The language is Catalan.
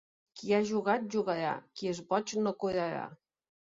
Qui ha jugat, jugarà; qui és boig no curarà.